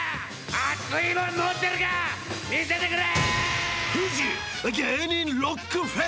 熱いもの、持ってるか見せてくれ！